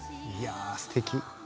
いやあすてき。